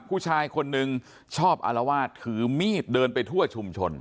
ผู้ชายคนนึงชอบอารวาสถือมีดเดินไปทั่วชุมชน